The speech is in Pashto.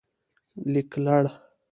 لیکلړ